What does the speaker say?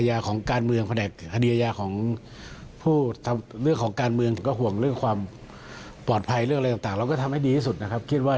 ว่าคุณทัคศิลป์กลับมาแล้วคุณยิ่งรักหล่ะ